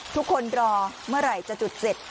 ทุกคนรอเมื่อไหร่จะจุดเสร็จ